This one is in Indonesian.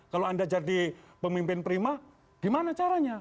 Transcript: kalau anda jadi pemimpin prima gimana caranya